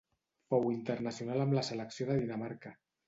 Fou internacional amb la selecció de Dinamarca.